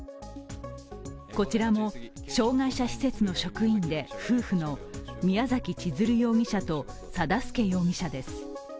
こちらも障害者施設の職員で夫婦の宮崎千鶴容疑者と定助容疑者です。